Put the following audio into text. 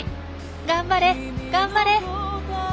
頑張れ頑張れ！